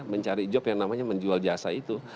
mencari joke yang namanya menjual jasa itu